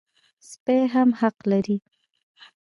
سپي هم حق لري.